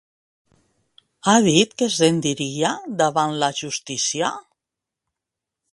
Ha dit que es rendiria davant la justícia?